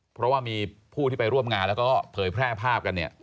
เพราะว่ามีผู้ที่ไปร่วมงานแล้วก็เผยแพร่ภาพกันเนี่ย